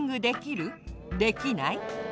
できない？